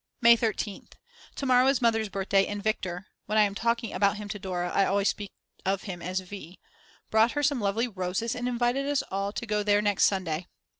May 13th. To morrow is Mother's birthday and Viktor (when I am talking about him to Dora I always speak of him as V.) brought her some lovely roses and invited us all to go there next Sunday.